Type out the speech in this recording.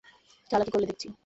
চালাকি করলে দেখছি।